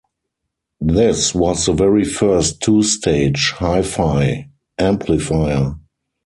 This was the very first two-stage, "Hi-Fi" amplifier.